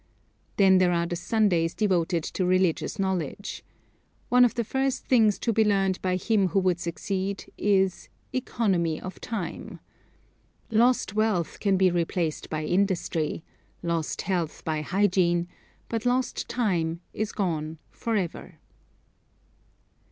Then there are the Sundays devoted to religious knowledge. One of the first things to be learned by him who would succeed, is ECONOMY OF TIME. Lost wealth can be replaced by industry; lost health by hygiene; but lost time is gone forever.